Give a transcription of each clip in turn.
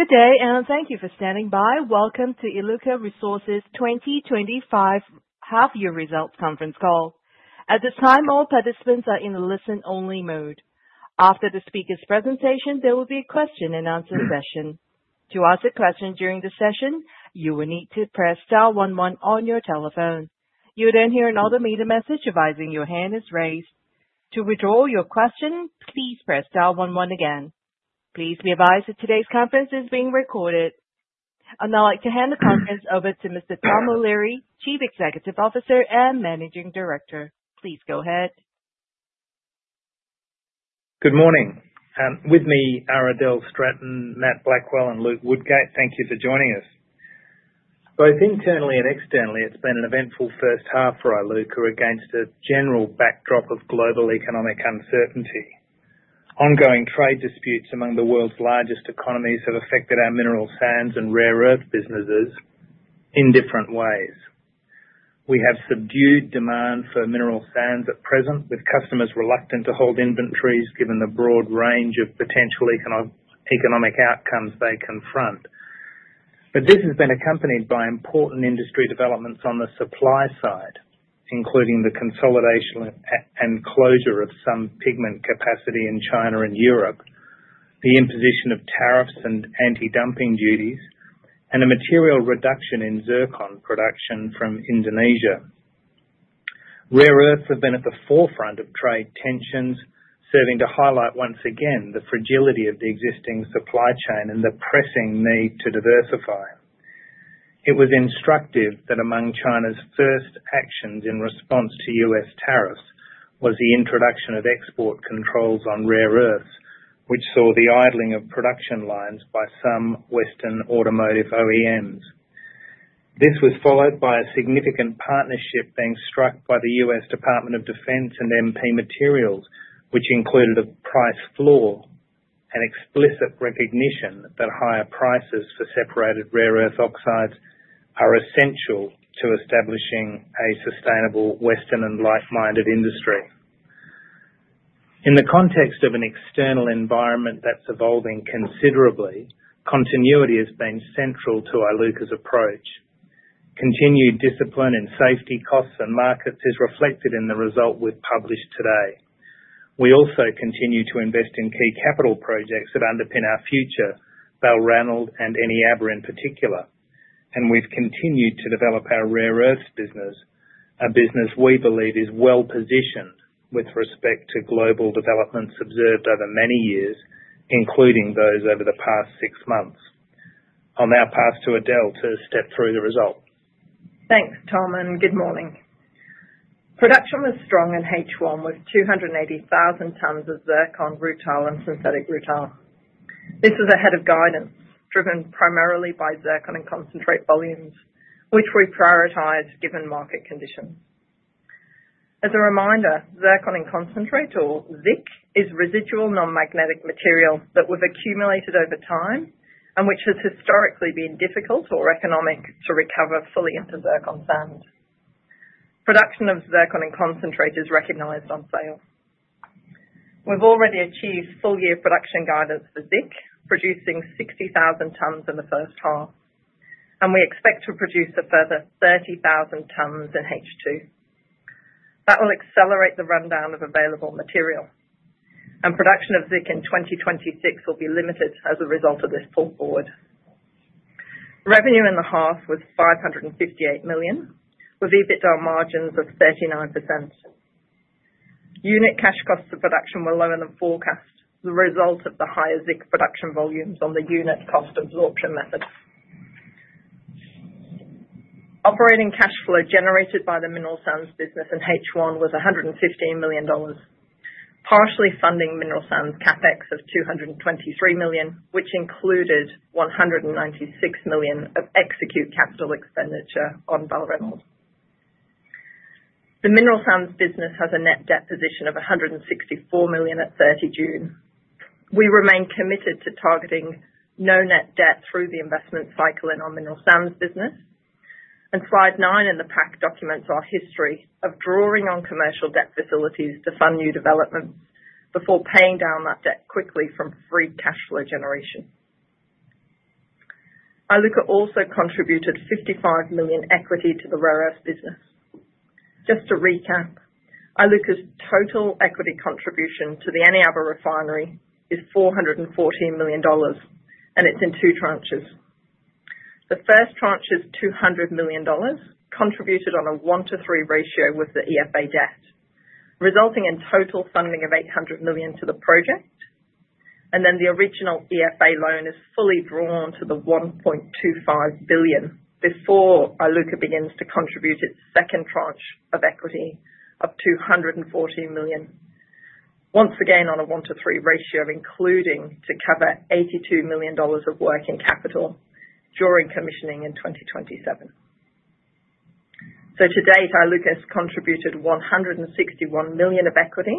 Good day, and thank you for standing by. welcome to Iluka Resources' 2025 half-year results conference call. At this time, all participants are in listen-only mode. After the speaker's presentation, there will be a question-and-answer session. To ask a question during the session, you will need to press star one one on your telephone. You will then hear an automated message advising that your hand is raised. To withdraw your question, please star one one again. Please be advised that today's conference is being recorded. I'd like to hand the conference over to Mr. Tom O’Leary, Chief Executive Officer and Managing Director. Please go ahead. Good morning. With me, Adele Stratton, Matt Blackwell, and Luke Woodgate. Thank you for joining us. Both internally and externally, it's been an eventful first half for Iluka against a general backdrop of global economic uncertainty. Ongoing trade disputes among the world's largest economies have affected our mineral sands and rare earths businesses in different ways. We have subdued demand for mineral sands at present, with customers reluctant to hold inventories given the broad range of potential economic outcomes they confront. This has been accompanied by important industry developments on the supply side, including the consolidation and closure of some pigment capacity in China and Europe, the imposition of tariffs and anti-dumping duties, and a material reduction in zircon production from Indonesia. Rare earths have been at the forefront of trade tensions, serving to highlight once again the fragility of the existing supply chain and the pressing need to diversify. It was instructive that among China's first actions in response to U.S. tariffs was the introduction of export controls on rare earths, which saw the idling of production lines by some Western automotive OEMs. This was followed by a significant partnership being struck by the U.S. Department of Defense and MP Materials, which included a price floor and explicit recognition that higher prices for separated rare earth oxides are essential to establishing a sustainable Western and like-minded industry. In the context of an external environment that's evolving considerably, continuity has been central to Iluka's approach. Continued discipline in safety, costs, and markets is reflected in the results we've published today. We also continue to invest in key capital projects that underpin our future, Balranald and Eneabba in particular, and we've continued to develop our rare earths business, a business we believe is well-positioned with respect to global developments observed over many years, including those over the past six months. On our path to Adele to step through the result. Thanks, Tom, and good morning. Production was strong in H1 with 280,000 tons of zircon, rutile, and synthetic rutile. This is ahead of guidance, driven primarily by zircon in concentrate volumes, which we prioritize given market conditions. As a reminder, zircon in concentrate, or ZIC, is residual non-magnetic material that we've accumulated over time and which has historically been difficult or economic to recover fully into zircon sand. Production of zircon in concentrate is recognized on sale. We've already achieved full-year production guidance for ZIC, producing 60,000 tons in the first half, and we expect to produce a further 30,000 tons in H2. That will accelerate the rundown of available material, and production of ZIC in 2026 will be limited as a result of this pull forward. Revenue in the half was 558 million, with EBITDA margins of 39%. Unit cash costs of production were lower than forecast, the result of the higher ZIC production volumes on the unit cost absorption method. Operating cash flow generated by the mineral sands business in H1 was 115 million dollars, partially funding mineral sands CapEx of 223 million, which included 196 million of execute capital expenditure on Balranald. The mineral sands business has a net debt position of 164 million at 30 June. We remain committed to targeting no net debt through the investment cycle in our mineral sands business, and slide nine in the pack documents our history of drawing on commercial debt facilities to fund new developments before paying down that debt quickly from free cash flow generation. Iluka also contributed 55 million equity to the rare earths business. Just to recap, Iluka's total equity contribution to the Eneabba refinery is 414 million dollars, and it's in two tranches. The first tranche is 200 million dollars, contributed on a 1-3 ratio with the EFA debt, resulting in total funding of 800 million to the project, and then the original EFA loan is fully drawn to the 1.25 billion before Iluka begins to contribute its second tranche of equity of 214 million, once again on a 1-3 ratio, including to cover 82 million dollars of working capital during commissioning in 2027. To date, Iluka has contributed 161 million of equity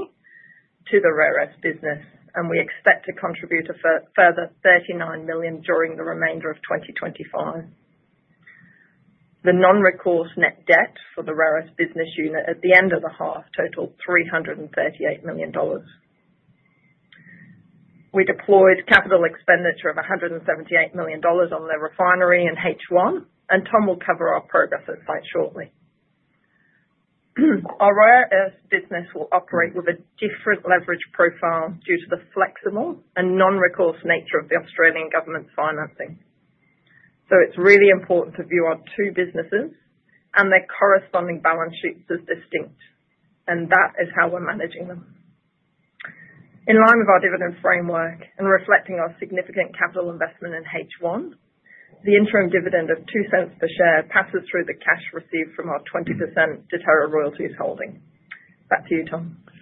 to the rare earths business, and we expect to contribute a further 39 million during the remainder of 2025. The non-recourse net debt for the rare earths business unit at the end of the half totaled 338 million dollars. We deployed capital expenditure of 178 million dollars on the refinery in H1, and Tom will cover our progress at site shortly. Our rare earths business will operate with a different leverage profile due to the flexible and non-recourse nature of the Australian government's financing. It is really important to view our two businesses and their corresponding balance sheets as distinct, and that is how we're managing them. In line with our dividends framework and reflecting our significant capital investment in H1, the interim dividend of 0.02 per share passes through the cash received from our 20% deterrent royalties holding. Back to you, Tom. Thanks,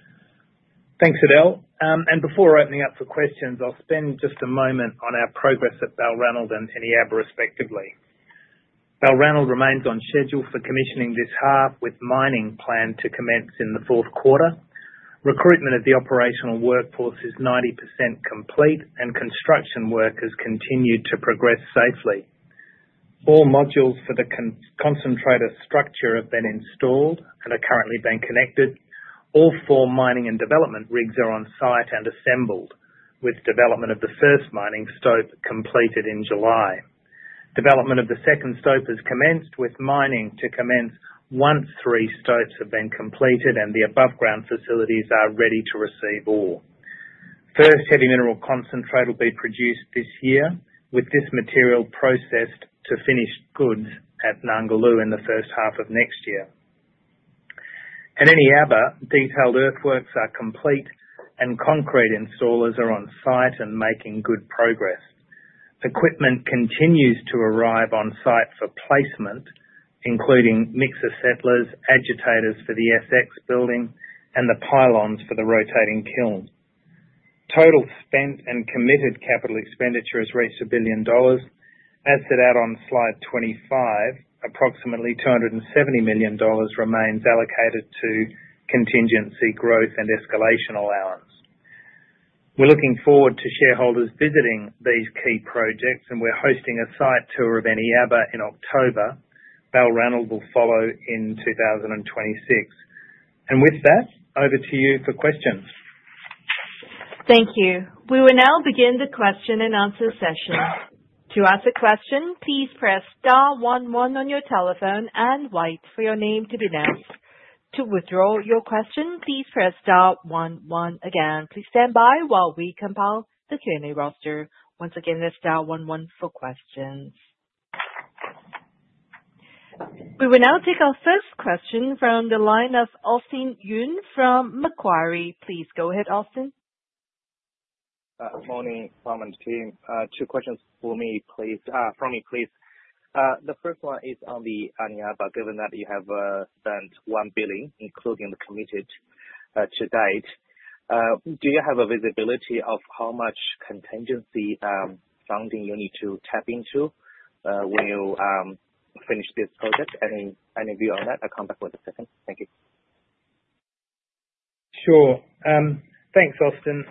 Adele. Before opening up for questions, I'll spend just a moment on our progress at Balranald and Eneabba, respectively. Balranald remains on schedule for commissioning this half, with mining planned to commence in the fourth quarter. Recruitment of the operational workforce is 90% complete, and construction work has continued to progress safely. All modules for the concentrator structure have been installed and are currently being connected. All four mining and development rigs are on site and assembled, with development of the first mining stope completed in July. Development of the second stope has commenced, with mining to commence once three stopes have been completed and the above-ground facilities are ready to receive ore. First, heavy mineral concentrate will be produced this year, with this material processed to finished goods at Narngulu in the first half of next year. At Eneabba, detailed earthworks are complete, and concrete installers are on site and making good progress. Equipment continues to arrive on site for placement, including mixer settlers, agitators for the SX building, and the pylons for the rotating kilns. Total spent and committed capital expenditure has reached 1 billion dollars. As set out on slide 25, approximately 270 million dollars remains allocated to contingency, growth, and escalation allowance. We're looking forward to shareholders visiting these key projects, and we're hosting a site tour of Eneabba in October. Balranald will follow in 2026. With that, over to you for questions. Thank you. We will now begin the question and answer session. To ask a question, please star one one on your telephone and wait for your name to be announced. To withdraw your question, please star one one again. Please stand by while we compile the Q&A roster. Once again, star one one for questions. We will now take our first question from the line of Austin Yun from Macquarie. Please go ahead, Austin. Morning, Tom and team. Two questions for me, please. The first one is on the Eneabba, given that you have spent 1 billion, including the committed to date. Do you have a visibility of how much contingency funding you need to tap into when you finish this process? Any view on that? I'll come back with a second. Thank you. Sure. Thanks, Austin.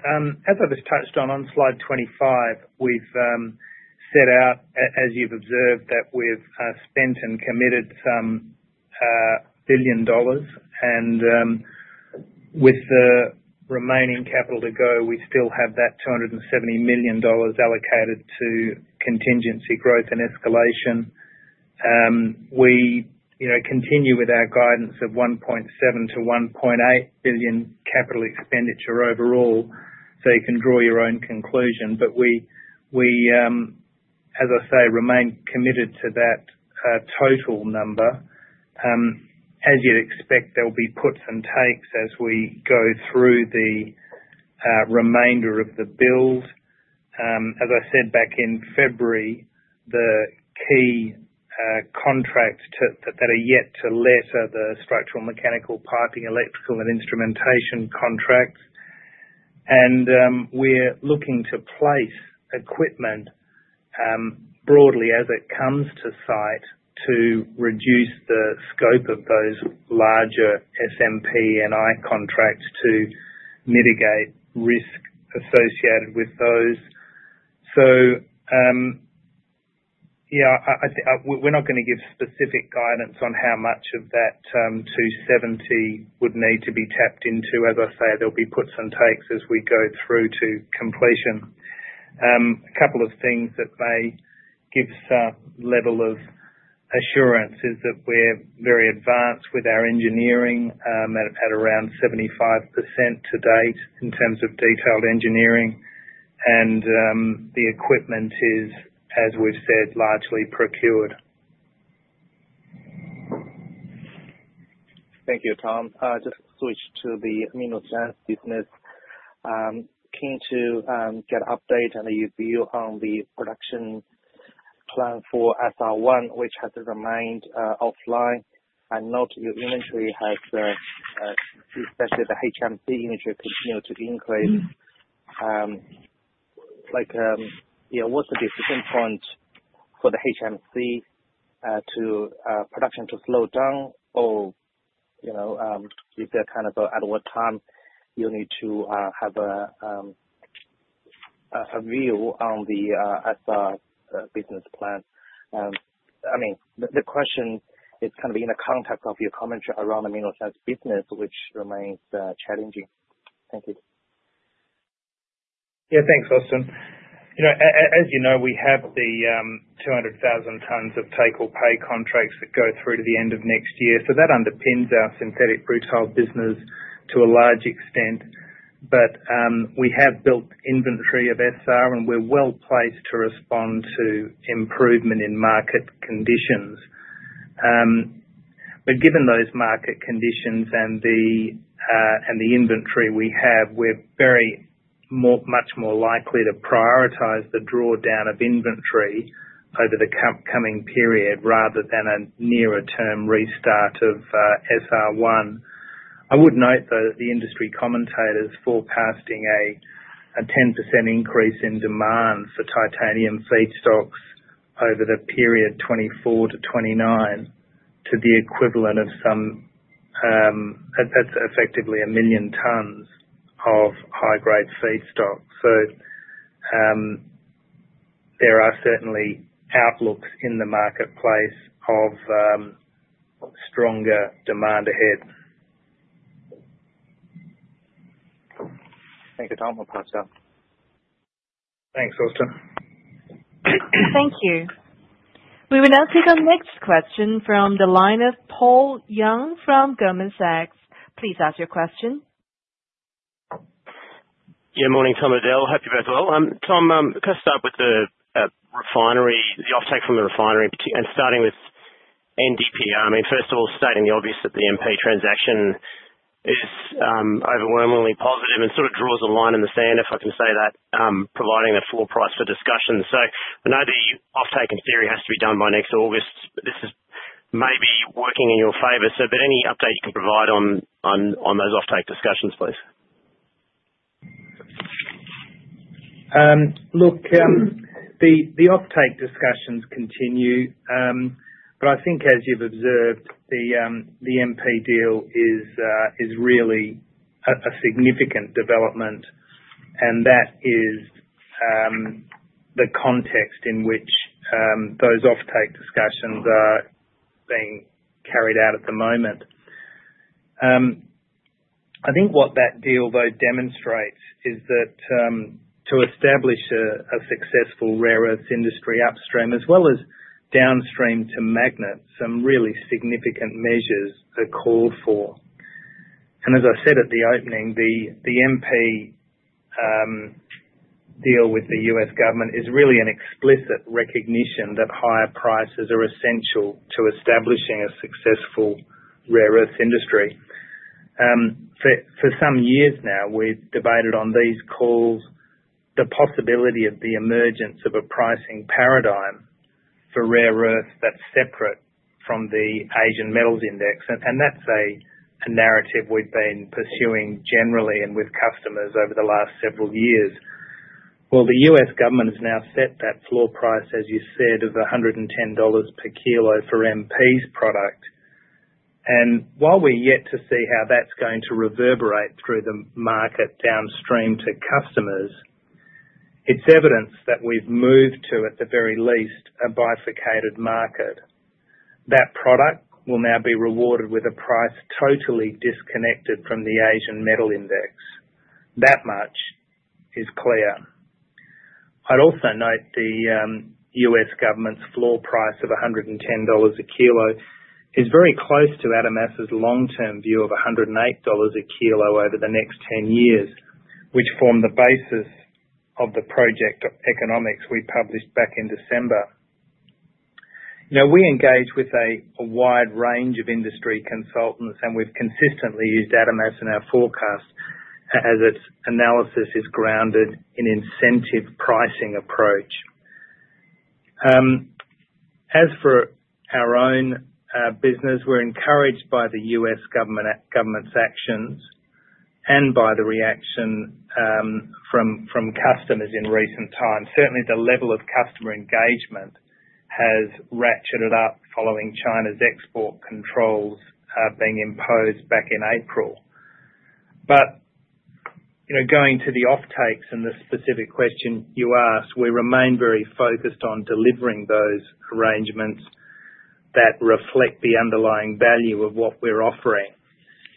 As I touched on, on slide 25, we've set out, as you've observed, that we've spent and committed 1 billion dollars, and with the remaining capital to go, we still have that 270 million dollars allocated to contingency, growth, and escalation. We continue with our guidance of 1.7 billion-1.8 billion capital expenditure overall, so you can draw your own conclusion. We, as I say, remain committed to that total number. As you'd expect, there will be puts and takes as we go through the remainder of the build. As I said back in February, the key contracts that are yet to let are the structural and mechanical, piping, electrical, and instrumentation contracts. We're looking to place equipment broadly as it comes to site to reduce the scope of those larger SMP E&I contracts to mitigate risk associated with those. We're not going to give specific guidance on how much of that 270 million would need to be tapped into. As I say, there'll be puts and takes as we go through to completion. A couple of things that may give some level of assurance is that we're very advanced with our engineering, and have had around 75% to date in terms of detailed engineering, and the equipment is, as we've said, largely procured. Thank you, Tom. Just to switch to the mineral sands business, keen to get an update and a view on the production plan for SR1, which has remained offline, and note that your inventory has, suspect the HMC inventory continues to increase. What's the decision point for the HMC production to slow down, or is there kind of at what time you need to have a view on the SR business plan? The question is kind of in the context of your commentary around the mineral sands business, which remains challenging. Thank you. Yeah, thanks, Austin. As you know, we have the 200,000 tons of take or pay contracts that go through to the end of next year. That underpins our synthetic rutile business to a large extent. We have built inventory of SR, and we're well placed to respond to improvement in market conditions. Given those market conditions and the inventory we have, we're very much more likely to prioritize the drawdown of inventory over the coming period rather than a nearer term restart of SR1. I would note, though, that the industry commentator is forecasting a 10% increase in demand for titanium feedstocks over the period 2024 to 2029 to the equivalent of some, that's effectively 1 million tons of high-grade feedstocks. There are certainly outlooks in the marketplace of stronger demand ahead. Thank you, Tom. We'll pass it up. Thanks, Austin. Thank you. We will now take our next question from the line of Paul Young from Goldman Sachs. Please ask your question. Yeah, morning, Tom, Adele. Hope you both well. Tom, I'm going to start with the refinery, the offtake from the refinery, and starting with NdPr. First of all, stating the obvious that the MP transaction is overwhelmingly positive and sort of draws a line in the sand, if I can say that, providing the floor price for discussion. I know the offtake in theory has to be done by next August. This may be working in your favor, sir, but any update you can provide on those offtake discussions, please. Look, the offtake discussions continue, but I think, as you've observed, the MP deal is really a significant development, and that is the context in which those offtake discussions are being carried out at the moment. I think what that deal, though, demonstrates is that to establish a successful rare earths industry upstream as well as downstream to magnets, some really significant measures are called for. As I said at the opening, the MP deal with the U.S. government is really an explicit recognition that higher prices are essential to establishing a successful rare earths industry. For some years now, we've debated on these calls the possibility of the emergence of a pricing paradigm for rare earths that's separate from the Asian Metals Index. That's a narrative we've been pursuing generally and with customers over the last several years. The U.S. government has now set that floor price, as you said, of 110 dollars per kg for MP's product. While we're yet to see how that's going to reverberate through the market downstream to customers, it's evidence that we've moved to, at the very least, a bifurcated market. That product will now be rewarded with a price totally disconnected from the Asian Metals Index. That much is clear. I'd also note the U.S. government's floor price of 110 dollars a kg is very close to Adams Asset's long-term view of 108 dollars a kg over the next 10 years, which formed the basis of the project economics we published back in December. You know, we engage with a wide range of industry consultants, and we've consistently used Adams Asset in our forecast as its analysis is grounded in an incentive pricing approach. As for our own business, we're encouraged by the U.S. government's actions and by the reaction from customers in recent times. Certainly, the level of customer engagement has ratcheted up following China's export controls being imposed back in April. Going to the offtakes and the specific question you asked, we remain very focused on delivering those arrangements that reflect the underlying value of what we're offering,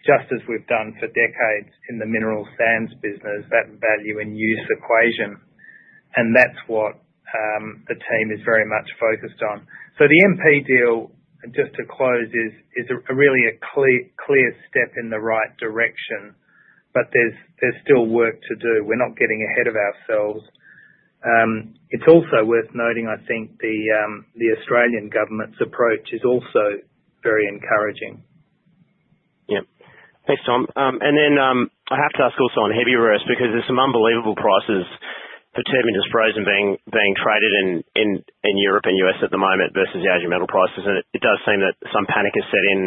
just as we've done for decades in the mineral sands business, that value and use equation. That's what the team is very much focused on. The MP deal, just to close, is really a clear step in the right direction, but there's still work to do. We're not getting ahead of ourselves. It's also worth noting, I think, the Australian government's approach is also very encouraging. Yeah. Thanks, Tom. I have to ask also on heavy rare earths because there's some unbelievable prices for terbium frozen being traded in Europe and U.S. at the moment versus the Asian metal prices. It does seem that some panic has set in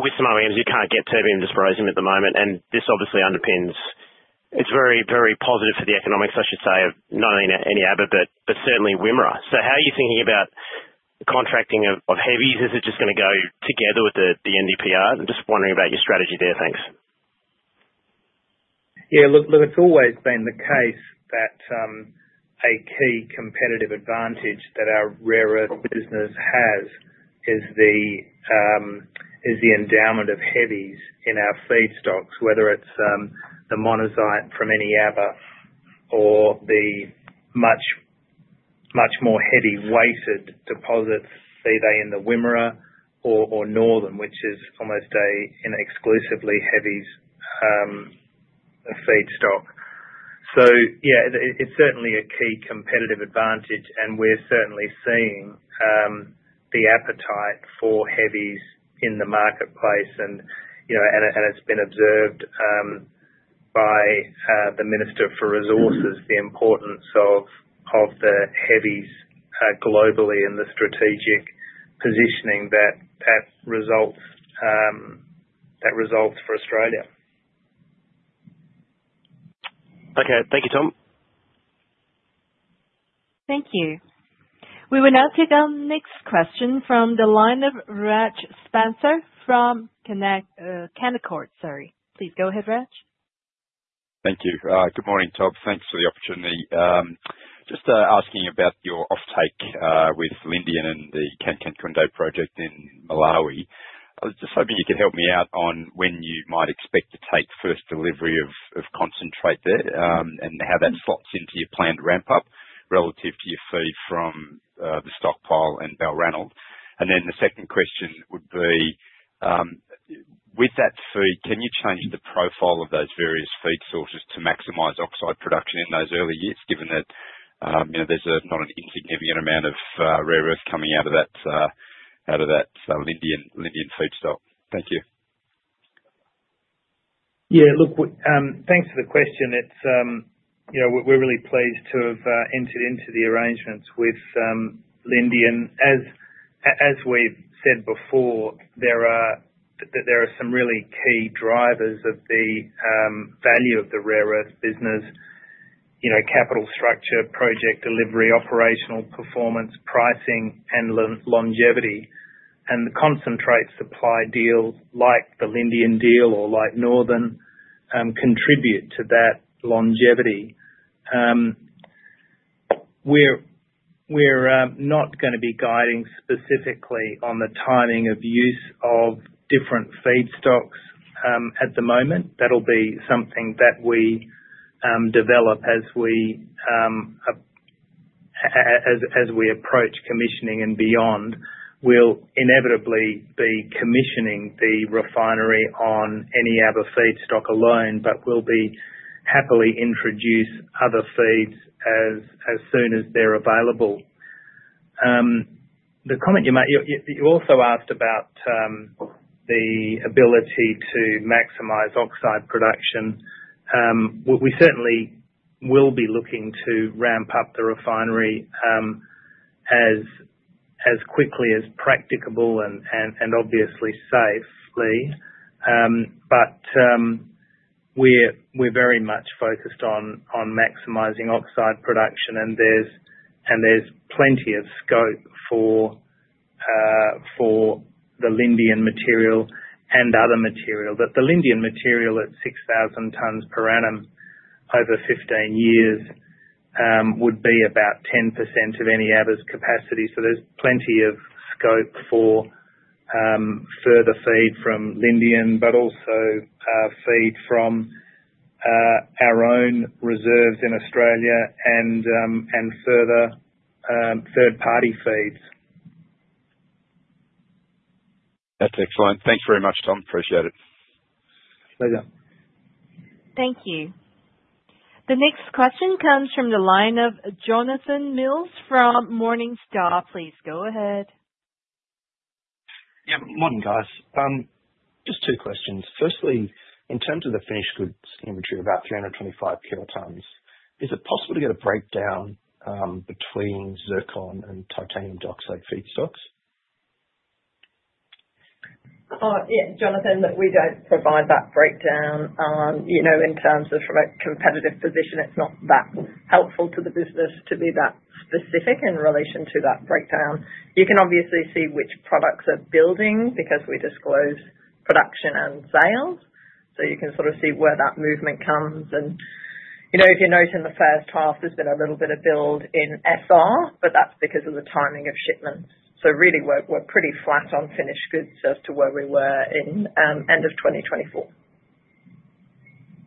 with some OEMs. You can't get terbium frozen at the moment. This obviously underpins, it's very, very positive for the economics, I should say, of not only Eneabba, but certainly Wimmera. How are you thinking about the contracting of heavy? Is it just going to go together with the NdPr? I'm just wondering about your strategy there. Thanks. Yeah, look, it's always been the case that a key competitive advantage that our rare earth business has is the endowment of heavies in our feedstocks, whether it's the monazite from Eneabba or the much, much more heavy weighted deposits, be they in the Wimmera or Northern, which is almost an exclusively heavy feedstock. It's certainly a key competitive advantage, and we're certainly seeing the appetite for heavies in the marketplace. It's been observed by the Minister for Resources, the importance of the heavies globally and the strategic positioning that results for Australia. Okay. Thank you, Tom. Thank you. We will now take our next question from the line of Reg Spencer from Canaccord. Please go ahead, Reg. Thank you. Good morning, Tom. Thanks for the opportunity. Just asking about your offtake with Lindian, the Kangankunde project in Malawi. I was just hoping you could help me out on when you might expect to take first delivery of concentrate there and how that slots into your planned ramp-up relative to your feed from the stockpile and Balranald. The second question would be, with that feed, can you change the profile of those various feed sources to maximize oxide production in those early years, given that there's not an insignificant amount of rare earth coming out of that Lindian feedstock? Thank you. Yeah, look, thanks for the question. It's, you know, we're really pleased to have entered into the arrangements with Lindian, and as we've said before, there are some really key drivers of the value of the rare earth business: capital structure, project delivery, operational performance, pricing, and longevity. The concentrate supply deals, like the Lindian deal or like Northern, contribute to that longevity. We're not going to be guiding specifically on the timing of use of different feedstocks at the moment. That'll be something that we develop as we approach commissioning and beyond. We'll inevitably be commissioning the refinery on Eneabba feedstock alone, but we'll be happy to introduce other feeds as soon as they're available. The comment you also asked about the ability to maximize oxide production, we certainly will be looking to ramp up the refinery as quickly as practicable and obviously safely. We're very much focused on maximizing oxide production, and there's plenty of scope for the Lindian material and other material. The Lindian material at 6,000 tons per annum over 15 years would be about 10% of Eneabba's capacity. There's plenty of scope for further feed from Lindian, but also feed from our own reserves in Australia and further third-party feeds. That's excellent. Thanks very much, Tom. Appreciate it. Pleasure. Thank you. The next question comes from Jonathan Mills from Morningstar. Please go ahead. Yeah. Morning, guys. Just two questions. Firstly, in terms of the finished goods inventory of about 325 kt, is it possible to get a breakdown between zircon and titanium dioxide feedstocks? Oh, yeah, Jonathan, we don't provide that breakdown. In terms of from a competitive position, it's not that helpful to the business to be that specific in relation to that breakdown. You can obviously see which products are building because we disclose production and sales. You can sort of see where that movement comes. If you notice in the first half, there's been a little bit of build in SR, but that's because of the timing of shipment. We're pretty flat on finished goods as to where we were in end of 2024.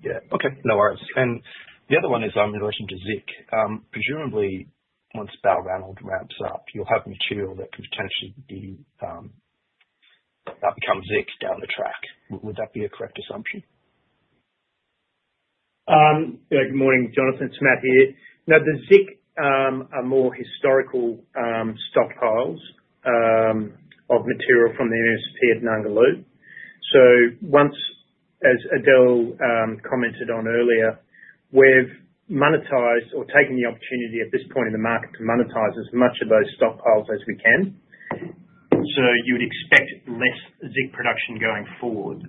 Okay. No worries. The other one is in relation to ZIC. Presumably, once Balranald ramps up, you'll have material that could potentially become ZIC down the track. Would that be a correct assumption? Yeah, good morning, Jonathan. It's Matt here. Now, the ZIC are more historical stockpiles of material from the vicinity of Narngulu. As Adele commented on earlier, we've monetized or taken the opportunity at this point in the market to monetize as much of those stockpiles as we can. You would expect less ZIC production going forward.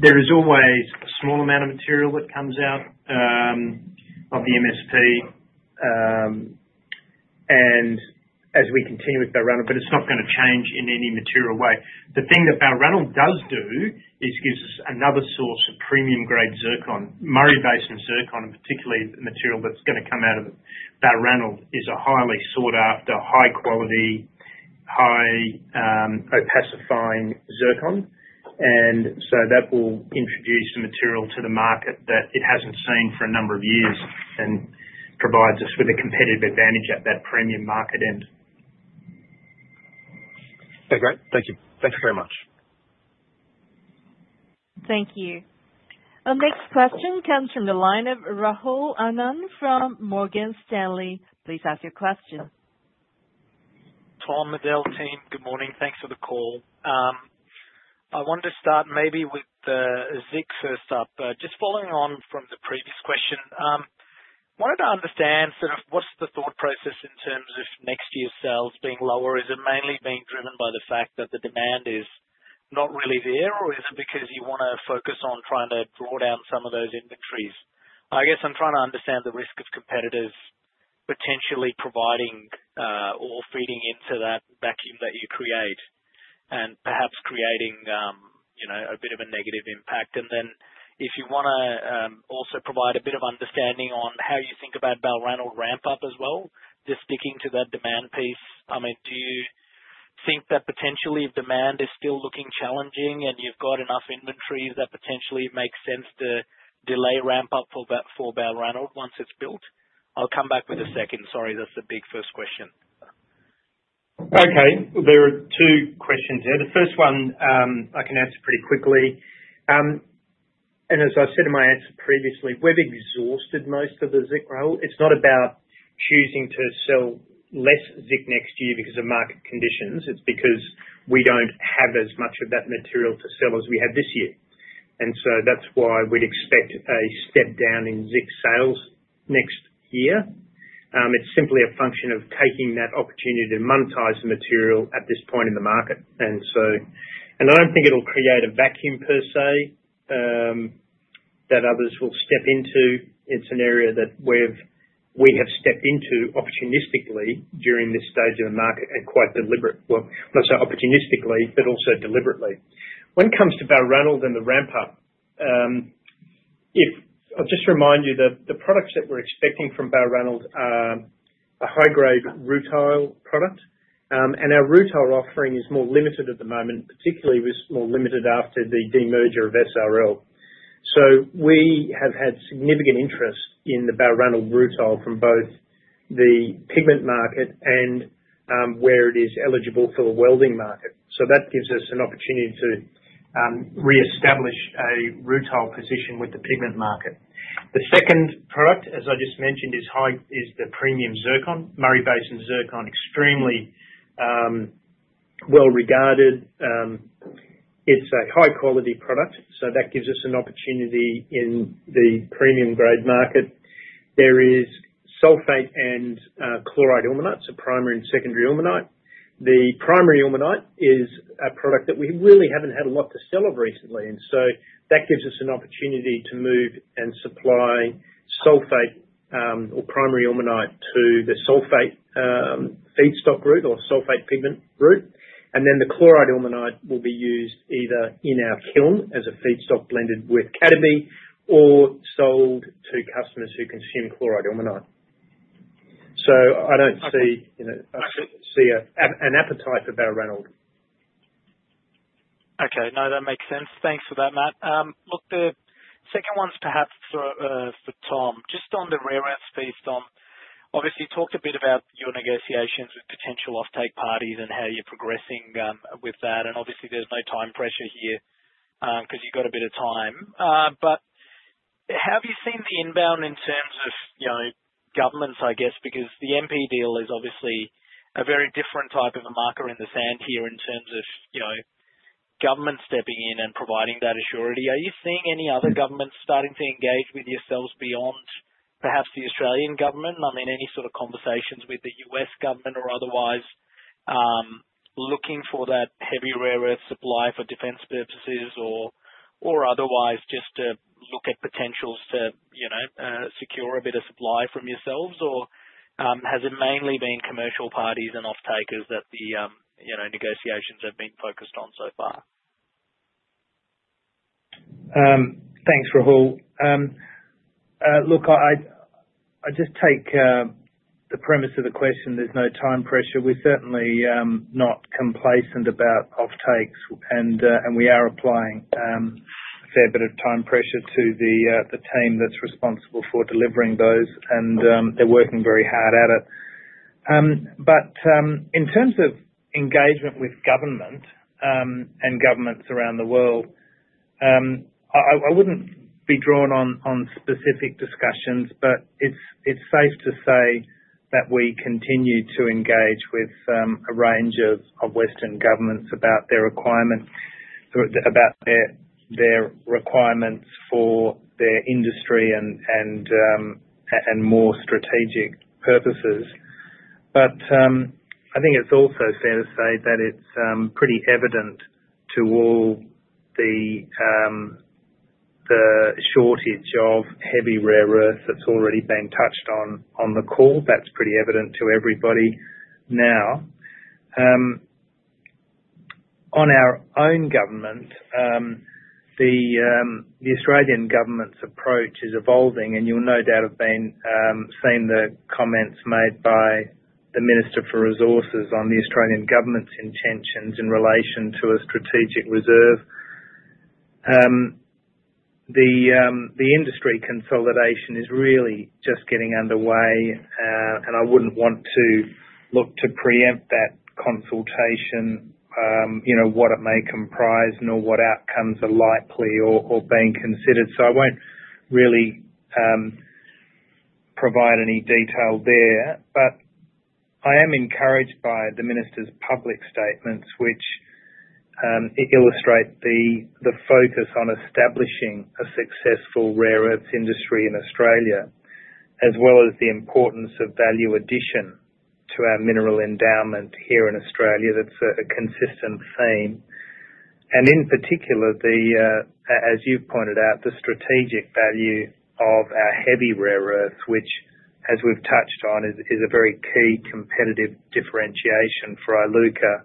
There is always a small amount of material that comes out of the MSP as we continue with Balranald, but it's not going to change in any material way. The thing that Balranald does do is gives us another source of premium-grade zircon. Murray Basin zircon, and particularly the material that's going to come out of Balranald, is a highly sought-after, high-quality, high-opacifying zircon. That will introduce some material to the market that it hasn't seen for a number of years and provides us with a competitive advantage at that premium market end. Okay, great. Thank you. Thank you very much. Thank you. Our next question comes from the line of Rahul Anand from Morgan Stanley. Please ask your question. Tom, Adele, team, good morning. Thanks for the call. I wanted to start maybe with the ZIC first up. Just following on from the previous question, I wanted to understand sort of what's the thought process in terms of next year's sales being lower. Is it mainly being driven by the fact that the demand is not really there, or is it because you want to focus on trying to draw down some of those inventories? I guess I'm trying to understand the risk of competitors potentially providing or feeding into that vacuum that you create and perhaps creating a bit of a negative impact. If you want to also provide a bit of understanding on how you think about Balranald ramp-up as well, just sticking to that demand piece. I mean, do you think that potentially demand is still looking challenging and you've got enough inventory that potentially makes sense to delay ramp-up for Balranald once it's built? I'll come back with a second. Sorry, that's the big first question. Okay. There are two questions there. The first one I can answer pretty quickly. As I said in my answer previously, we've exhausted most of the ZIC role. It's not about choosing to sell less ZIC next year because of market conditions. It's because we don't have as much of that material to sell as we have this year. That's why we'd expect a step down in ZIC sales next year. It's simply a function of taking that opportunity to monetize the material at this point in the market. I don't think it'll create a vacuum per se that others will step into. It's an area that we have stepped into opportunistically during this stage of the market and quite deliberately, not so opportunistically, but also deliberately. When it comes to Balranald and the ramp-up, I'll just remind you that the products that we're expecting from Balranald are a high-grade rutile product. Our rutile offering is more limited at the moment, particularly was more limited after the demerger of SRL. We have had significant interest in the Balranald rutile from both the pigment market and where it is eligible for the welding market. That gives us an opportunity to reestablish a rutile position with the pigment market. The second product, as I just mentioned, is the premium zircon. Murray Basin zircon, extremely well-regarded. It's a high-quality product. That gives us an opportunity in the premium-grade market. There is sulfate and chloride ilmenites, a primary and secondary ilmenite. The primary ilmenite is a product that we really haven't had a lot to sell of recently. That gives us an opportunity to move and supply sulfate or primary ilmenite to the sulfate feedstock route or sulfate pigment route. The chloride ilmenite will be used either in our kiln as a feedstock blended with Cadmi or sold to customers who consume chloride ilmenite. I don't see an appetite for Balranald. Okay. No, that makes sense. Thanks for that, Matt. The second one's perhaps for Tom. Just on the rare earths piece, Tom, obviously, you talked a bit about your negotiations with potential offtake parties and how you're progressing with that. Obviously, there's no time pressure here because you've got a bit of time. Have you seen the inbound in terms of, you know, governments, I guess, because the MP deal is obviously a very different type of a marker in the sand here in terms of, you know, government stepping in and providing that assurity. Are you seeing any other governments starting to engage with yourselves beyond perhaps the Australian government? I mean, any sort of conversations with the U.S. government or otherwise looking for that heavy rare earth supply for defense purposes or otherwise just to look at potentials to, you know, secure a bit of supply from yourselves? Has it mainly been commercial parties and offtakers that the, you know, negotiations have been focused on so far? Thanks, Rahul. I just take the premise of the question. There's no time pressure. We're certainly not complacent about offtakes, and we are applying a fair bit of time pressure to the team that's responsible for delivering those, and they're working very hard at it. In terms of engagement with government and governments around the world, I wouldn't be drawn on specific discussions, but it's safe to say that we continue to engage with a range of Western governments about their requirements for their industry and more strategic purposes. I think it's also fair to say that it's pretty evident to all the shortage of heavy rare earths that's already been touched on the call. That's pretty evident to everybody now. On our own government, the Australian government's approach is evolving, and you'll no doubt have seen the comments made by the Minister for Resources on the Australian government's intentions in relation to a strategic reserve. The industry consolidation is really just getting underway, and I wouldn't want to look to preempt that consultation, you know, what it may comprise nor what outcomes are likely or being considered. I won't really provide any detail there. I am encouraged by the minister's public statements, which illustrate the focus on establishing a successful rare earths industry in Australia, as well as the importance of value addition to our mineral endowment here in Australia. That's a consistent theme. In particular, as you've pointed out, the strategic value of our heavy rare earths, which, as we've touched on, is a very key competitive differentiation for Iluka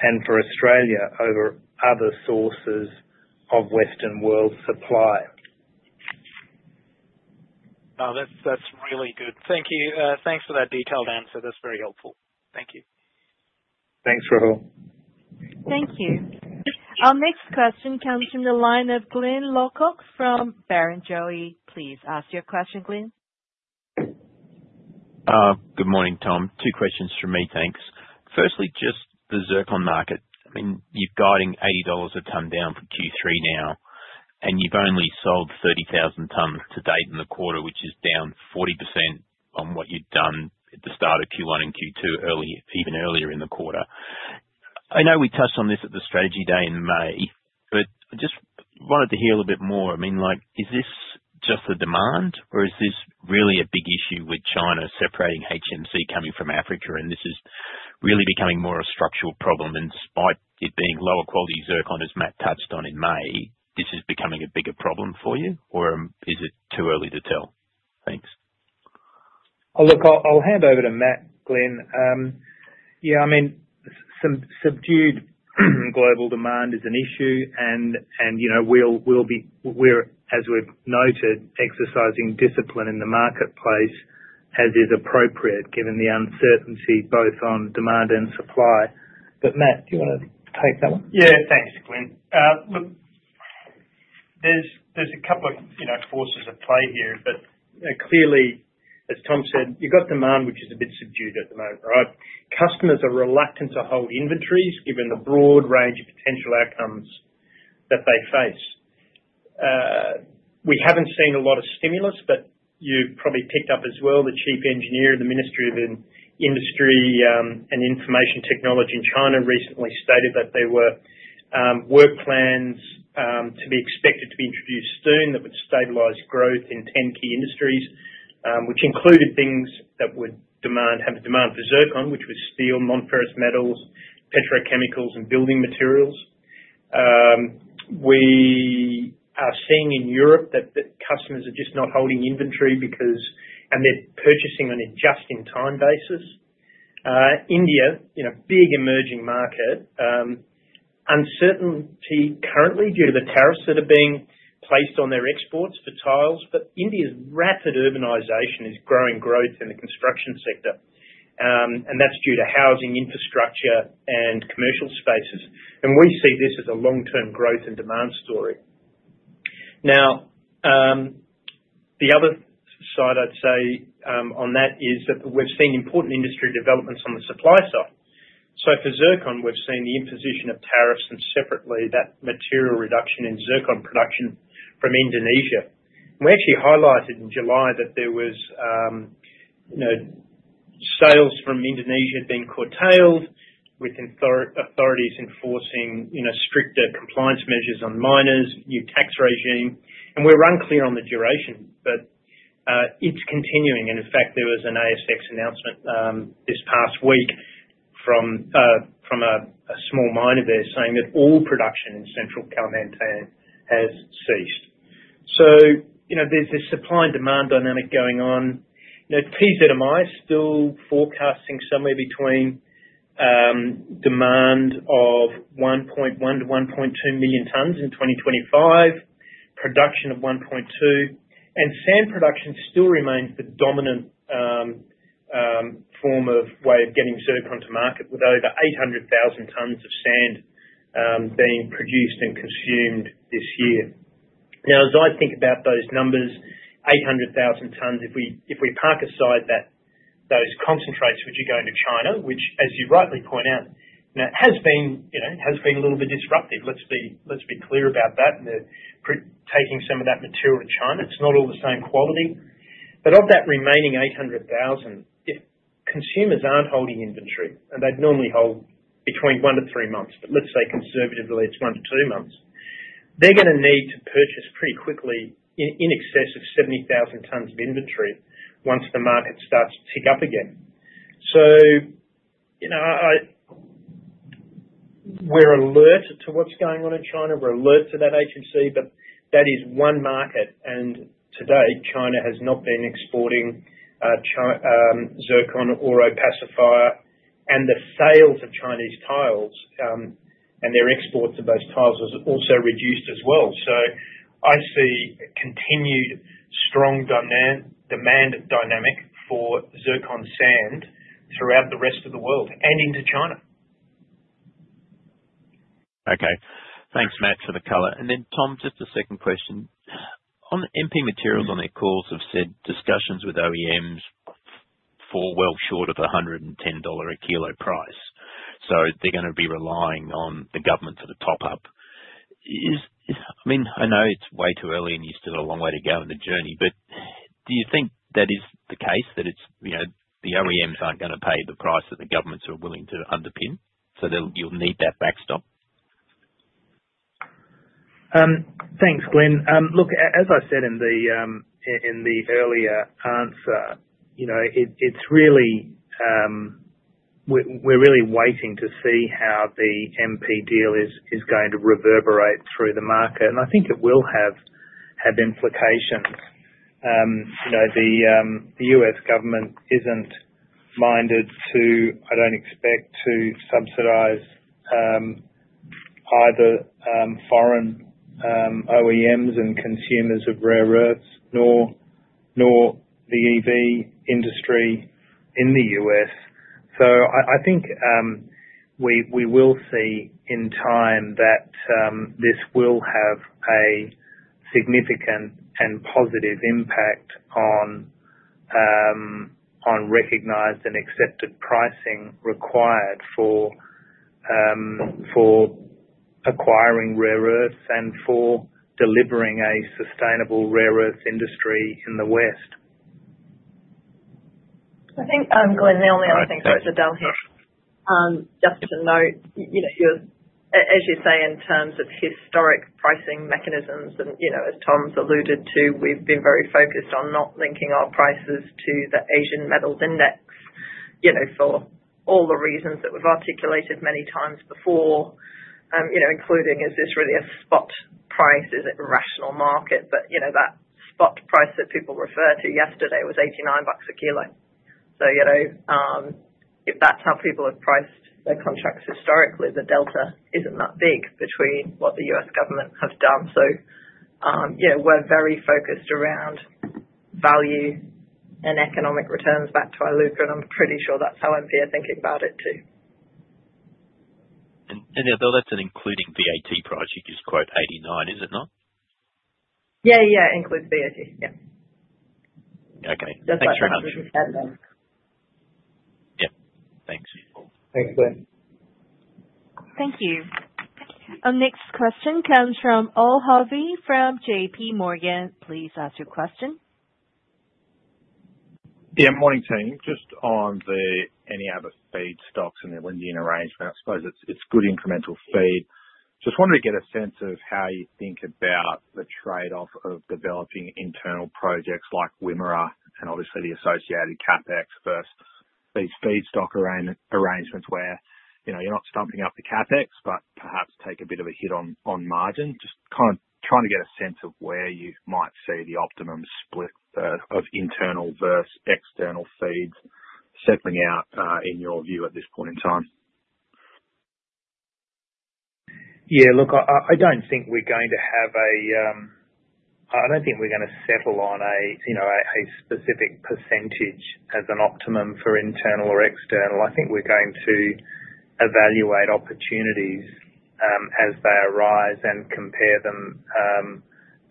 and for Australia over other sources of Western world supply. Oh, that's really good. Thank you. Thanks for that detailed answer. That's very helpful. Thank you. Thanks, Rahul. Thank you. Our next question comes from the line of Glyn Lawcock from Barrenjoey. Please ask your question, Glyn. Good morning, Tom. Two questions from me. Thanks. Firstly, just the zircon market. I mean, you're guiding 80 dollars a ton down for Q3 now, and you've only sold 30,000 tons to date in the quarter, which is down 40% on what you'd done at the start of Q1 and Q2, even earlier in the quarter. I know we touched on this at the strategy day in May, but I just wanted to hear a little bit more. I mean, is this just a demand, or is this really a big issue with China separating HMC coming from Africa? This is really becoming more of a structural problem. Despite it being lower quality zircon, as Matt touched on in May, this is becoming a bigger problem for you, or is it too early to tell? Thanks. Oh, look, I'll hand over to Matt, Glyn. Yeah, I mean, some subdued global demand is an issue. You know, we're, as we've noted, exercising discipline in the marketplace as is appropriate, given the uncertainty both on demand and supply. Matt, do you want to take that one? Yeah, thanks, Glyn. Look, there's a couple of forces at play here. Clearly, as Tom said, you've got demand, which is a bit subdued at the moment, right? Customers are reluctant to hold inventories, given the broad range of potential outcomes that they face. We haven't seen a lot of stimulus, but you probably picked up as well. The Chief Engineer in the Ministry of Industry and Information Technology in China recently stated that there were work plans to be expected to be introduced soon that would stabilize growth in 10 key industries, which included things that would have demand for zircon, which was steel, non-ferrous metals, petrochemicals, and building materials. We are seeing in Europe that customers are just not holding inventory because they're purchasing on a just-in-time basis. India, big emerging market, uncertainty currently due to the tariffs that are being placed on their exports for tiles. India's rapid urbanization is growing growth in the construction sector. That's due to housing, infrastructure, and commercial spaces. We see this as a long-term growth and demand story. The other side I'd say on that is that we've seen important industry developments on the supply side. For zircon, we've seen the imposition of tariffs and separately that material reduction in zircon production from Indonesia. We actually highlighted in July that there was sales from Indonesia being curtailed with authorities enforcing stricter compliance measures on miners, new tax regime. We're unclear on the duration, but it's continuing. In fact, there was an ASX announcement this past week from a small miner there saying that all production in central Kalimantan has ceased. There's this supply and demand dynamic going on. TZMI is still forecasting somewhere between demand of 1.1 million tons-1.2 million tons in 2025, production of 1.2 million tons. Sand production still remains the dominant form of way of getting zircon to market with over 800,000 tons of sand being produced and consumed this year. Now, as I think about those numbers, 800,000 tons, if we park aside those concentrates which are going to China, which, as you rightly point out, has been a little bit disruptive. Let's be clear about that. They're taking some of that material to China. It's not all the same quality. Of that remaining 800,000 tons, if consumers aren't holding inventory, and they'd normally hold between one to three months, but let's say conservatively it's one to two months, they're going to need to purchase pretty quickly in excess of 70,000 tons of inventory once the market starts to tick up again. We're alerted to what's going on in China. We're alerted to that HMC, but that is one market. To date, China has not been exporting zircon or opacifier. The sales of Chinese tiles and their exports of those tiles was also reduced as well. I see a continued strong demand dynamic for zircon sand throughout the rest of the world and into China. Okay. Thanks, Matt, for the color. Tom, just a second question. On the MP Materials on their calls have said discussions with OEMs fall well short of 110 dollar a kg price. They're going to be relying on the government to top up. I know it's way too early and you still have a long way to go in the journey. Do you think that is the case, that it's, you know, the OEMs aren't going to pay the price that the governments are willing to underpin? You'll need that backstop. Thanks, Glyn. Look, as I said in the earlier answer, it's really, we're really waiting to see how the MP deal is going to reverberate through the market. I think it will have implications. The U.S. government isn't minded to, I don't expect to subsidize either foreign OEMs and consumers of rare earths nor the EV industry in the U.S. I think we will see in time that this will have a significant and positive impact on recognized and accepted pricing required for acquiring rare earths and for delivering a sustainable rare earths industry in the West. I think, Glyn, the only other thing to add to that, just to note, you know, as you say, in terms of historic pricing mechanisms, and you know, as Tom's alluded to, we've been very focused on not linking our prices to the Asian Metals Index, you know, for all the reasons that we've articulated many times before, including, is this really a spot price? Is it a rational market? That spot price that people referred to yesterday was 89 bucks a kg. If that's how people have priced their contracts historically, the delta isn't that big between what the U.S. government has done. We're very focused around value and economic returns back to Iluka, and I'm pretty sure that's how MP are thinking about it too. Adele, that's an including VAT project is quote 89, is it not? Yeah, it includes VAT. Yeah. Okay, thanks very much. Yeah, thanks. Thanks, Glyn. Thank you. Our next question comes from Al Harvey from JPMorgan. Please ask your question. Yeah, morning, team. Just on the Eneabba feedstocks and the Lindian arrangement, I suppose it's good incremental feed. Just wanted to get a sense of how you think about the trade-off of developing internal projects like Wimmera and obviously the associated CapEx versus these feedstock arrangements where, you know, you're not stumping up the CapEx, but perhaps take a bit of a hit on margin. Just kind of trying to get a sense of where you might see the optimum split of internal versus external feeds settling out in your view at this point in time. Yeah, look, I don't think we're going to settle on a specific percentage as an optimum for internal or external. I think we're going to evaluate opportunities as they arise and compare them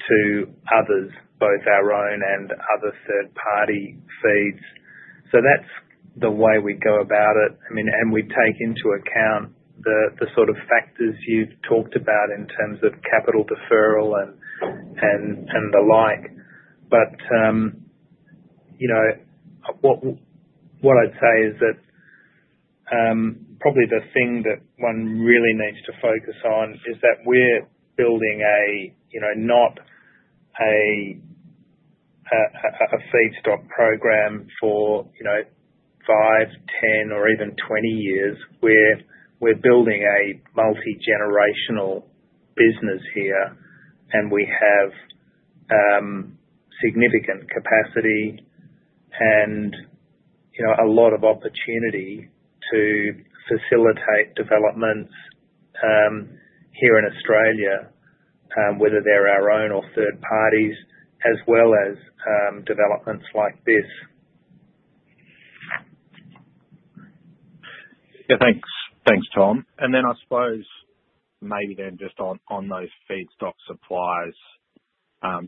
to others, both our own and other third-party feeds. That's the way we go about it. I mean, we take into account the sort of factors you've talked about in terms of capital deferral and the like. What I'd say is that probably the thing that one really needs to focus on is that we're building not a feedstock program for 5, 10, or even 20 years. We're building a multigenerational business here, and we have significant capacity and a lot of opportunity to facilitate developments here in Australia, whether they're our own or third parties, as well as developments like this. Yeah, thanks. Thanks, Tom. I suppose maybe then just on those feedstock supplies,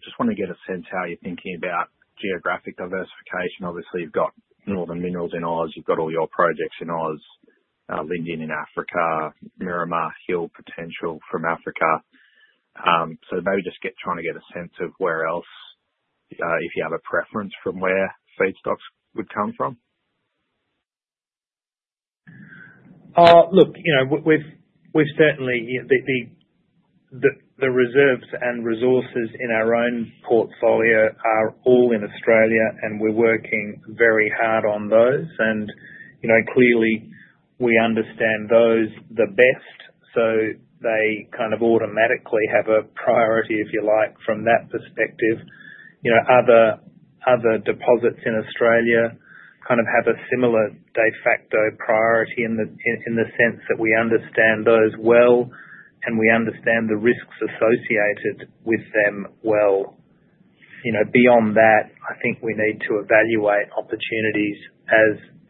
just want to get a sense of how you're thinking about geographic diversification. Obviously, you've got Northern Minerals in Australia. You've got all your projects in Aus, Lindian in Africa, Mrima Hill potential from Africa. Maybe just trying to get a sense of where else, if you have a preference from where feedstocks would come from. Look, we've certainly, the reserves and resources in our own portfolio are all in Australia, and we're working very hard on those. Clearly, we understand those the best. They kind of automatically have a priority, if you like, from that perspective. Other deposits in Australia kind of have a similar de facto priority in the sense that we understand those well, and we understand the risks associated with them well. Beyond that, I think we need to evaluate opportunities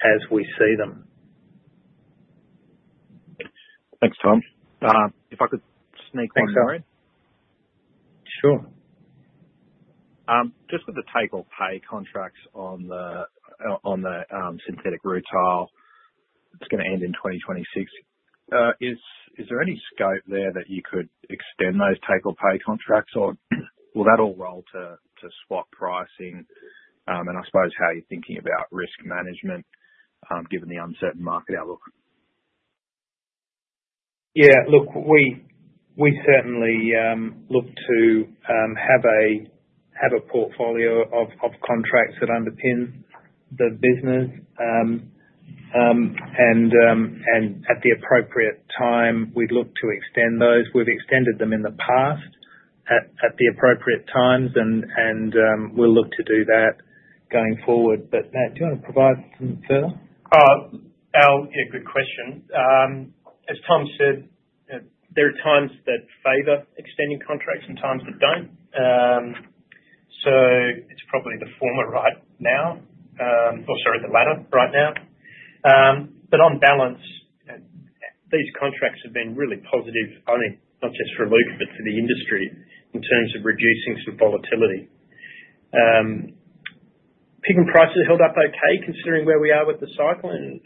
as we see them. Thanks, Tom. If I could sneak one more in. Sure. Just with the take-or-pay contracts on the synthetic rutile, it's going to end in 2026. Is there any scope there that you could extend those take-or-pay contracts, or will that all roll to swap pricing? I suppose how you're thinking about risk management given the uncertain market outlook. Yeah, look, we certainly look to have a portfolio of contracts that underpin the business. At the appropriate time, we'd look to extend those. We've extended them in the past at the appropriate times, and we'll look to do that going forward. Matt, do you want to provide some further? Al, good question. As Tom said, there are times that favor extending contracts and times that don't. It's probably the former right now, or sorry, the latter right now. On balance, these contracts have been really positive, not just for Iluka, but for the industry in terms of reducing some volatility. Pigment prices are held up okay considering where we are with the cycle, and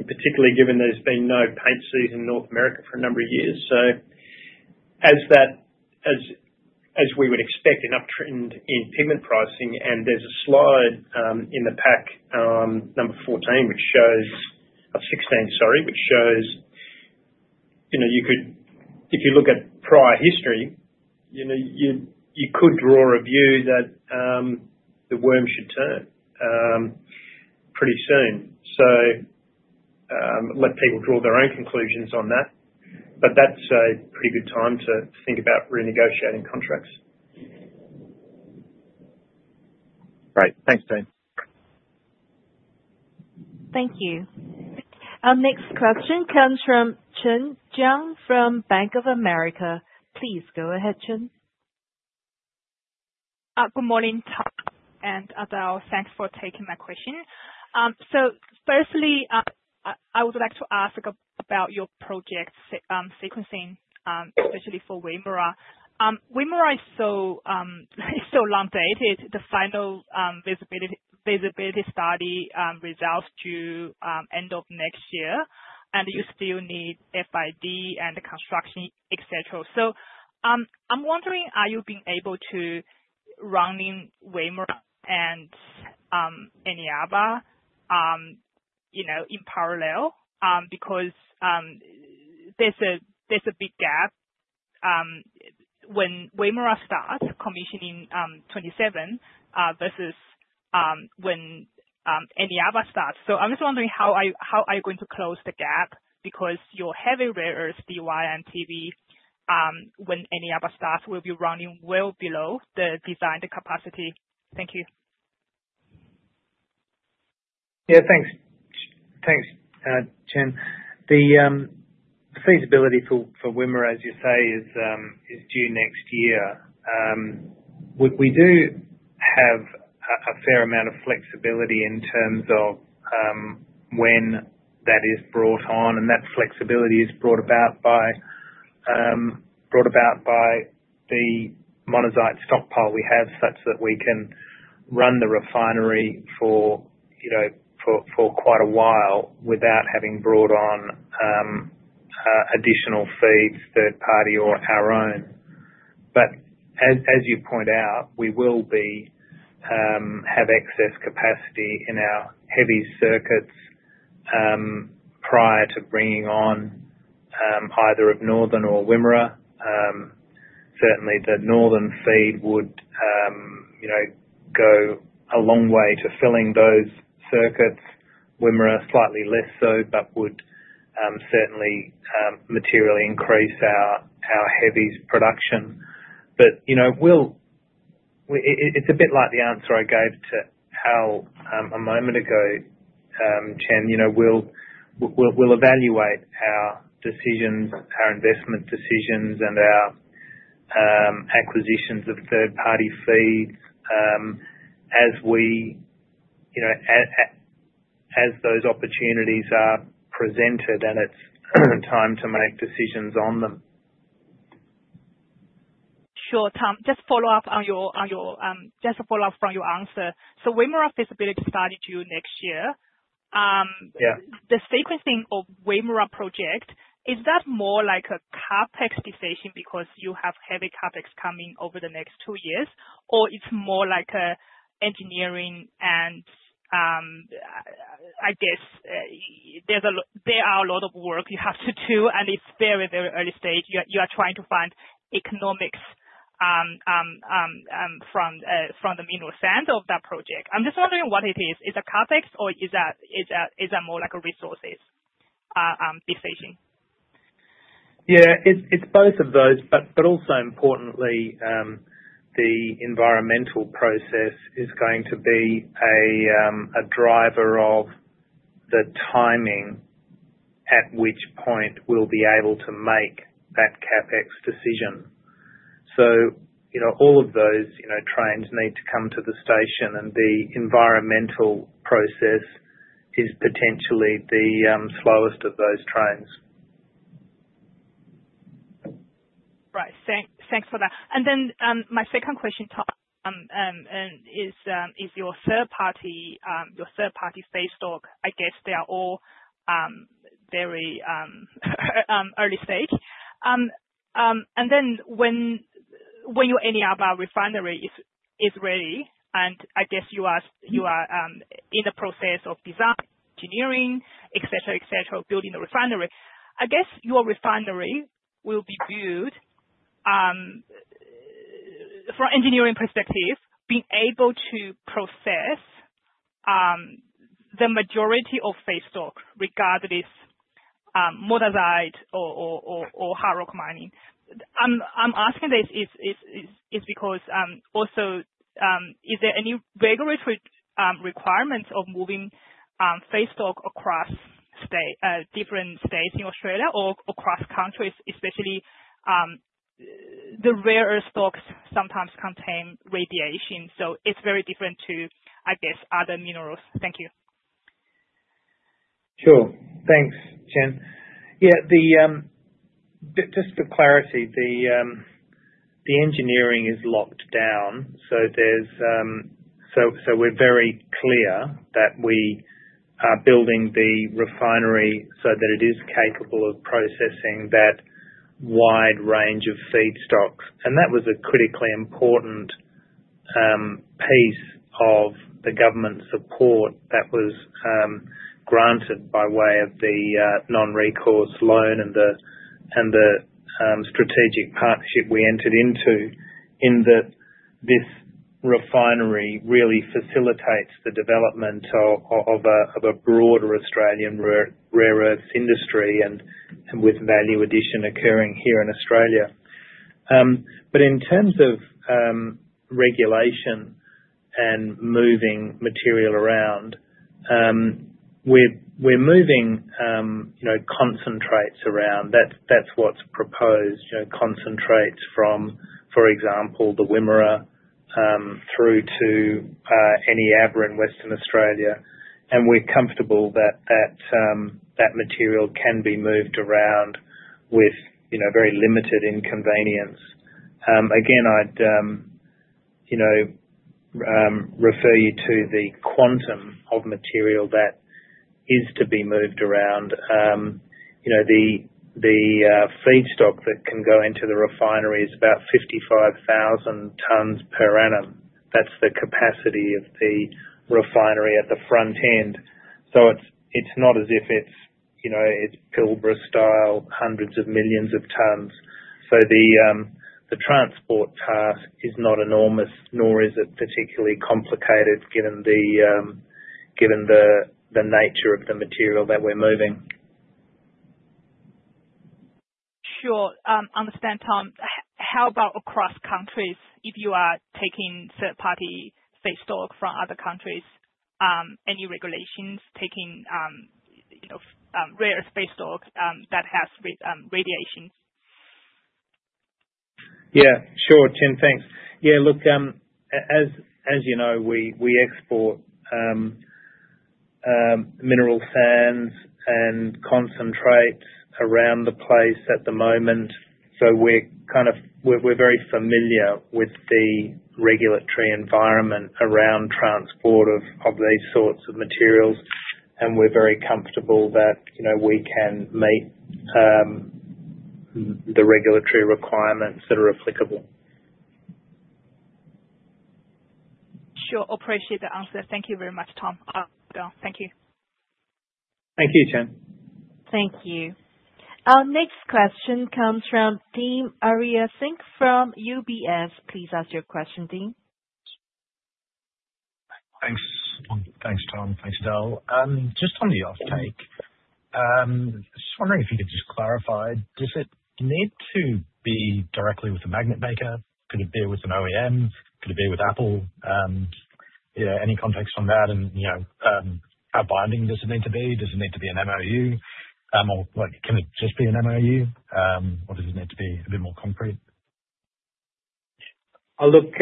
particularly given there's been no paint season in North America for a number of years. As we would expect, an uptrend in pigment pricing, and there's a slide in the pack, number 16, which shows, you know, if you look at prior history, you could draw a view that the worm should turn pretty soon. Let people draw their own conclusions on that. That's a pretty good time to think about renegotiating contracts. Great. Thanks, team. Thank you. Our next question comes from Chen Jiang from Bank of America. Please go ahead, Chen. Good morning, Tom, and Adele. Thanks for taking my question. Firstly, I would like to ask about your project sequencing, especially for Wimmera. Wimmera is so long dated. The final visibility study results are due end of next year, and you still need FID and the construction, etc. I'm wondering, are you able to run Wimmera and Eneabba, you know, in parallel? There's a big gap when Wimmera starts commissioning in 2027 versus when Eneabba starts. I'm just wondering how you are going to close the gap because your heavy rare earths, Dy and Tb, when Eneabba starts, will be running well below the designed capacity. Thank you. Yeah, thanks. Thanks, Chen. The feasibility for Wimmera, as you say, is due next year. We do have a fair amount of flexibility in terms of when that is brought on, and that flexibility is brought about by the monazite stockpile we have such that we can run the refinery for, you know, for quite a while without having brought on additional feeds, third party, or our own. As you point out, we will have excess capacity in our heavy circuits prior to bringing on either of Northern or Wimmera. Certainly, the Northern feed would, you know, go a long way to filling those circuits. Wimmera slightly less so, but would certainly materially increase our heavy production. You know, it's a bit like the answer I gave to Al a moment ago, Chen. We'll evaluate our decisions, our investment decisions, and our acquisitions of third-party feed as we, you know, as those opportunities are presented and it's time to make decisions on them. Sure, Tom. Just to follow up on your answer. The Wimmera feasibility study is due next year. The sequencing of the Wimmera project, is that more like a CapEx decision because you have heavy CapEx coming over the next two years, or is it more like an engineering and, I guess, there is a lot of work you have to do, and it's very, very early stage. You are trying to find economics from the mineral sands of that project. I'm just wondering what it is. Is it a CapEx, or is it more like a resources decision? Yeah, it's both of those, but also importantly, the environmental process is going to be a driver of the timing at which point we'll be able to make that CapEx decision. All of those trains need to come to the station, and the environmental process is potentially the slowest of those trains. Right. Thanks for that. My second question, Tom, is your third-party feedstock, I guess they are all very early stage. When your Eneabba refinery is ready, and I guess you are in the process of designing, engineering, building the refinery, your refinery will be viewed from an engineering perspective as being able to process the majority of feedstock regardless of monazite or hard rock mining. I'm asking this because also, is there any regulatory requirements of moving feedstock across different states in Australia or across countries, especially the rare earth stocks sometimes contain radiation? It's very different to other minerals. Thank you. Sure. Thanks, Chen. Yeah, just for clarity, the engineering is locked down. We're very clear that we are building the refinery so that it is capable of processing that wide range of feedstocks. That was a critically important piece of the government support that was granted by way of the non-recourse loan and the strategic partnership we entered into. In that, this refinery really facilitates the development of a broader Australian rare earths industry with value addition occurring here in Australia. In terms of regulation and moving material around, we're moving concentrates around. That's what's proposed, concentrates from, for example, the Wimmera through to Eneabba in Western Australia. We're comfortable that that material can be moved around with very limited inconvenience. Again, I'd refer you to the quantum of material that is to be moved around. The feedstock that can go into the refinery is about 55,000 tons per annum. That's the capacity of the refinery at the front end. It's not as if it's Pilbara style, hundreds of millions of tons. The transport task is not enormous, nor is it particularly complicated given the nature of the material that we're moving. Sure. I understand, Tom. How about across countries? If you are taking third-party feedstock from other countries, any regulations taking, you know, rare earth feedstock that has radiation? Yeah, sure, Chen. Thanks. Yeah, look, as you know, we export mineral sands and concentrates around the place at the moment. We're kind of, we're very familiar with the regulatory environment around transport of these sorts of materials. We're very comfortable that, you know, we can meet the regulatory requirements that are applicable. Sure. Appreciate the answer. Thank you very much, Tom. Adele, thank you. Thank you, Chen. Thank you. Our next question comes from Dean Ayres from UBS. Please ask your question, Dean. Thanks, Tom. Thanks, Adele. Just on the offtake, I'm just wondering if you could just clarify, does it need to be directly with a magnet maker? Could it be with an OEM? Could it be with Apple? Yeah, any context on that? You know, how binding does it need to be? Does it need to be an MOU? Or can it just be an MOU? Or does it need to be a bit more concrete? I'll look,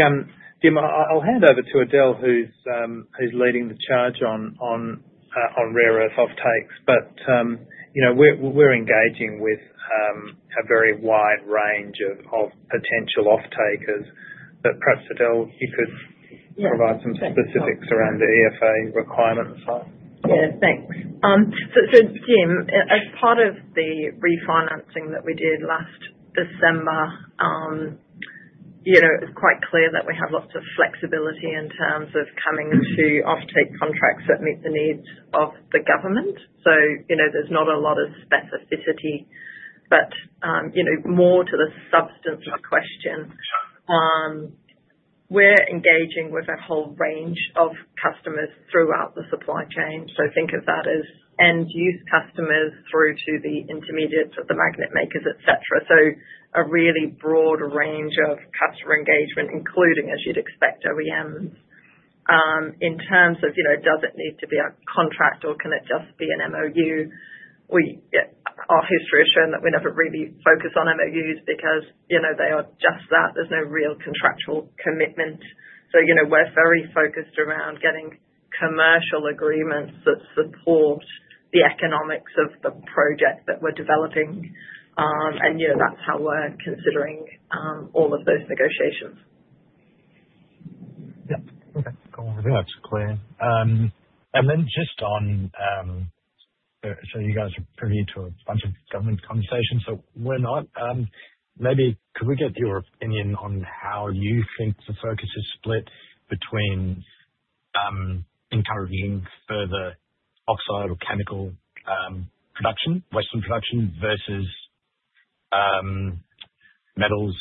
Dean, I'll hand over to Adele, who's leading the charge on rare earth offtakes. You know, we're engaging with a very wide range of potential offtakers. Perhaps, Adele, you could provide some specifics around the EFA requirements. Yeah, thanks. As part of the refinancing that we did last December, it's quite clear that we have lots of flexibility in terms of coming to offtake contracts that meet the needs of the government. There's not a lot of specificity. More to the substance of the question, we're engaging with a whole range of customers throughout the supply chain. Think of that as end-use customers through to the intermediates of the magnet makers, etc. A really broad range of customer engagement, including, as you'd expect, OEMs. In terms of does it need to be a contract or can it just be an MOU, our history has shown that we never really focus on MOUs because they are just that. There's no real contractual commitment. We're very focused around getting commercial agreements that support the economics of the project that we're developing. That's how we're considering all of those negotiations. Yeah, okay. Go on. Thats clear. Just on, you guys are privy to a bunch of government conversations. We're not. Maybe could we get your opinion on how you think the focus is split between improving further oxide or chemical production, western production, versus metals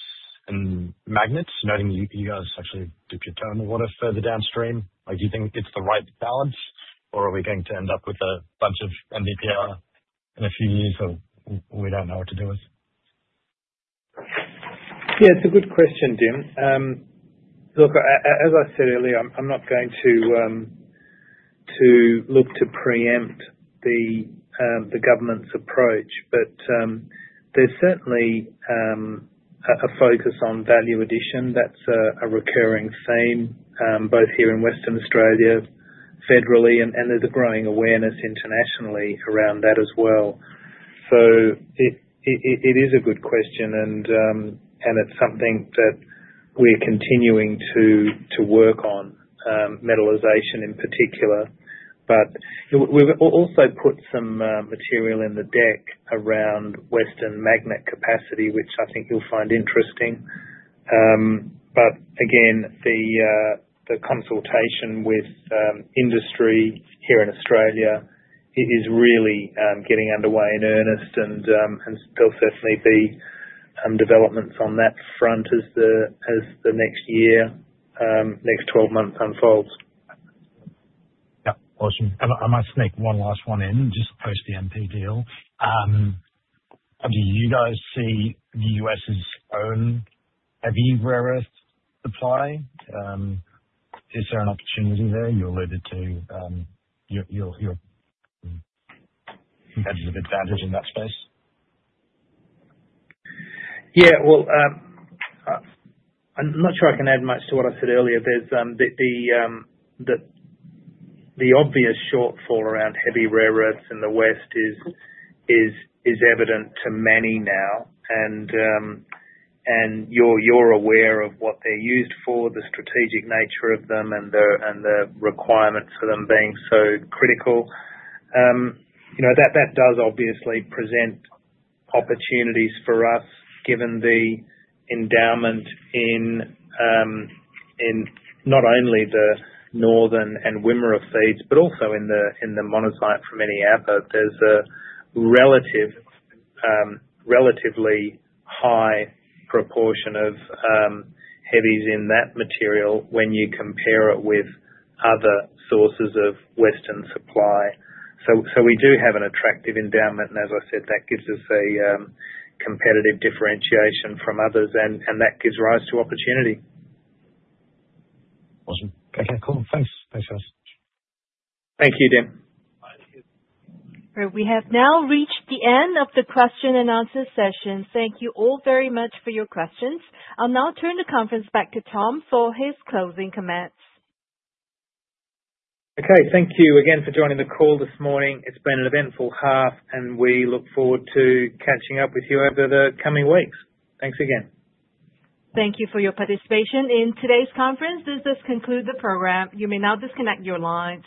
and magnets? Noting you guys actually have driven the water further downstream. Do you think it's the right balance, or are we going to end up with a bunch of NdPr in a few years that we don't know what to do with? Yeah, it's a good question, Dean. Look, as I said earlier, I'm not going to look to preempt the government's approach, but there's certainly a focus on value addition. That's a recurring theme, both here in Western Australia, federally, and there's a growing awareness internationally around that as well. It is a good question, and it's something that we're continuing to work on, metallisation in particular. We've also put some material in the deck around western magnet capacity, which I think you'll find interesting. The consultation with industry here in Australia is really getting underway in earnest, and there'll certainly be developments on that front as the next year, next 12 months unfolds. Yeah. I might sneak one last one in just post the MP deal. Do you guys see the U.S.'s own heavy rare earth supply? Is there an opportunity there? You alluded to competitive advantage in that space. I'm not sure I can add much to what I said earlier. The obvious shortfall around heavy rare earths in the West is evident to many now. You're aware of what they're used for, the strategic nature of them, and the requirements for them being so critical. That does obviously present opportunities for us given the endowment in not only the Northern and Wimmera feeds, but also in the monazite from Eneabba. There's a relatively high proportion of heavies in that material when you compare it with other sources of Western supply. We do have an attractive endowment, and as I said, that gives us a competitive differentiation from others, and that gives rise to opportunity. Awesome. Thanks, guys. Thank you, Dean. We have now reached the end of the question and answer session. Thank you all very much for your questions. I'll now turn the conference back to Tom for his closing comments. Okay. Thank you again for joining the call this morning. It's been an eventful half, and we look forward to catching up with you over the coming weeks. Thanks again. Thank you for your participation in today's conference. This does conclude the program. You may now disconnect your lines.